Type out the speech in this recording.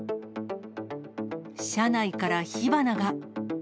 車内から火花が。